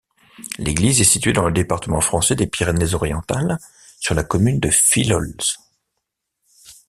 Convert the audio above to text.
L'église est située dans le département français des Pyrénées-Orientales, sur la commune de Fillols.